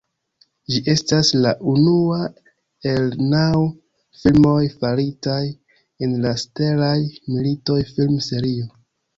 Ĝi estas la unua el naŭ filmoj faritaj en la Stelaj Militoj film-serio.